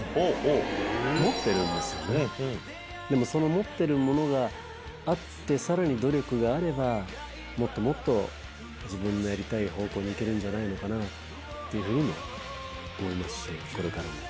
持ってるものがあってさらに努力があればもっともっと自分のやりたい方向に行けるんじゃないのかなっていうふうにも思いますし。